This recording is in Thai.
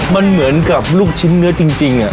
มันเหมือนกับลูกชิ้นเนื้อจริง